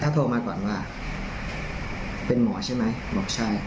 โทรมาก่อนว่าเป็นหมอใช่ไหมบอกใช่